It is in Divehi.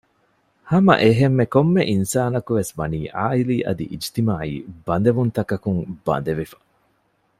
ހަމައެހެންމެ ކޮންމެ އިންސާނަކުވެސް ވަނީ ޢާއިލީ އަދި އިޖްތިމާޢީ ބަދެވުންތަކަކުން ބަނދެވިފަ